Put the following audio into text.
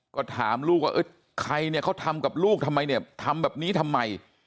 ก็ถามลูกว่าใครเนี่ยเขาทำกับลูกทำไมเนี่ยทำแบบนี้ทำไม